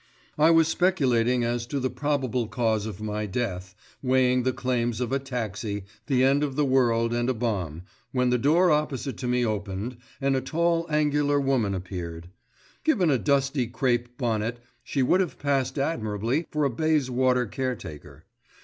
I was speculating as to the probable cause of my death, weighing the claims of a taxi, the end of the world and a bomb, when the door opposite to me opened and a tall angular woman appeared. Given a dusty crape bonnet, she would have passed admirably for a Bayswater caretaker.